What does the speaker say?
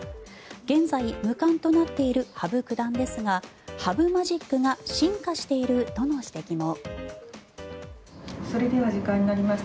現在、無冠となっている羽生九段ですが羽生マジックが進化しているとの指摘も。